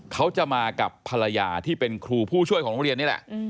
เขาจะมากับภรรยาที่เป็นครูผู้ช่วยของโรงเรียนนี่แหละ